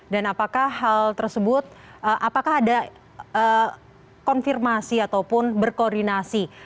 dan apakah hal tersebut apakah ada konfirmasi ataupun berkoordinasi